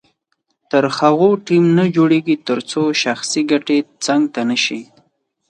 تر هغو ټیم نه جوړیږي تر څو شخصي ګټې څنګ ته نه شي.